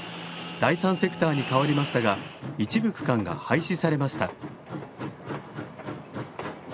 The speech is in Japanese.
第三セクターに変わりましたが一部区間が廃止されました。